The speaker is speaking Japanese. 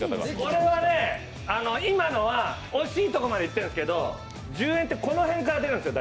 これはね、今のはおしいところまでいってるんですけれども１０円って、この辺から出るんですよ